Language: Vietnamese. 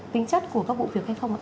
tính chất của các vụ việc hay không ạ